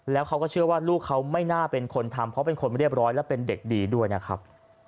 แล้วเขาก็เชื่อว่าลูกเขาไม่น่าเป็นคนทำเพราะเป็นคนไม่เรียบร้อยและเป็นเด็กดีด้วยนะครับ